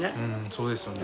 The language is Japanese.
そうですよね。